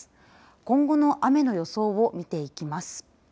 今後の雨の予想を見ていきます。